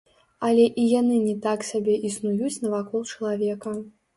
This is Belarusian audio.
Але і яны не так сабе існуюць навакол чалавека.